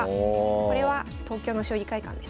これは東京の将棋会館ですね。